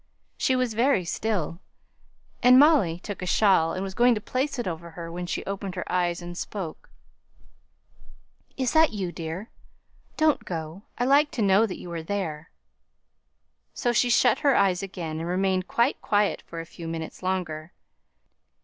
She was very still; and Molly took a shawl, and was going to place it over her, when she opened her eyes, and spoke, "Is that you, dear? Don't go. I like to know that you are there." She shut her eyes again, and remained quite quiet for a few minutes longer.